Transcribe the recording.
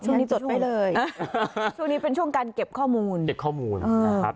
จดให้เลยช่วงนี้เป็นช่วงการเก็บข้อมูลเก็บข้อมูลนะครับ